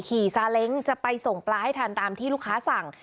ซาเล้งจะไปส่งปลาให้ทันตามที่ลูกค้าสั่ง